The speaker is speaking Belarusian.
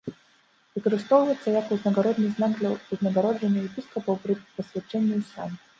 Выкарыстоўваецца як узнагародны знак для ўзнагароджання епіскапаў пры пасвячэнні ў сан.